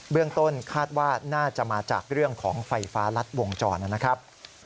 เรื่องต้นคาดว่าน่าจะมาจากเรื่องของไฟฟ้ารัดวงจรนะครับ